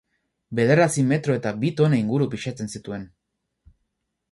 Bederatzi metro eta bi tona inguru pisatzen zituen.